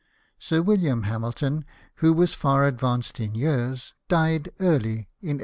Sir William Hamilton, who was far advanced in years, died early in 1803.